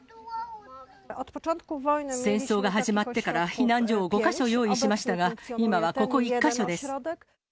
戦争が始まってから避難所を５か所用意しましたが、今はここ１か所です。